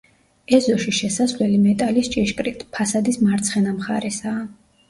ეზოში შესასვლელი მეტალის ჭიშკრით, ფასადის მარცხენა მხარესაა.